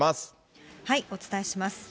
お伝えします。